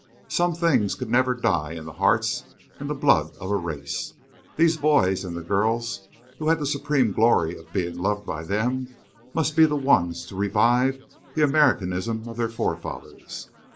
Some things could never die in the hearts and the blood of a race. These boys, and the girls who had the supreme glory of being loved by them, must be the ones to revive the Americanism of their forefathers.